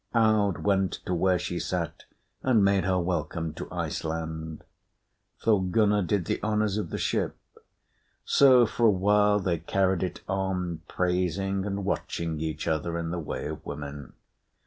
Aud went to where she sat and made her welcome to Iceland. Thorgunna did the honours of the ship. So for a while they carried it on, praising and watching each other, in the way of women.